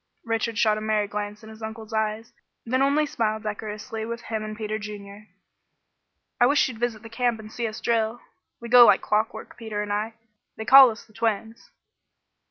Richard shot a merry glance in his uncle's eyes, then only smiled decorously with him and Peter Junior. "I wish you'd visit the camp and see us drill. We go like clockwork, Peter and I. They call us the twins."